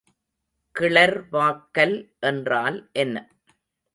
கிளர்வாக்கல் என்றால் என்ன?